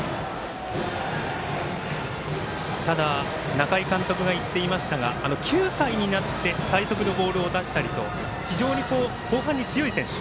中井監督が言っていましたが９回になって最速のボールを出したりと非常に後半に強い選手。